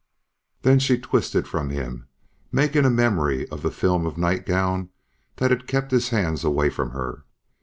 Then she twisted from him, making a memory of the film of nightgown that had kept his hands away from her.